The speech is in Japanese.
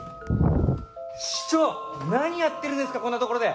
市長、何やってるんですか、こんな所で。